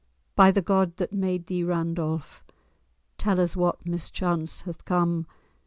"By the God that made thee, Randolph! Tell us what mischance hath come."